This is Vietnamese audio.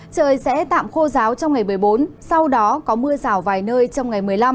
trời sẽ tạm khô giáo trong ngày một mươi bốn sau đó có mưa rào vài nơi trong ngày một mươi năm